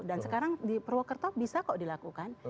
dan sekarang di prowalker talk bisa kok dilakukan